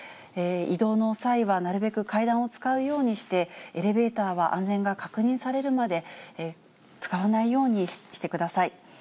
移動の際はなるべく階段を使うようにして、エレベーターは安全が確認されるまで、使わないようにしてください。